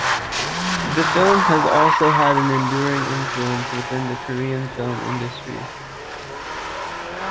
The film has also had an enduring influence within the Korean film industry.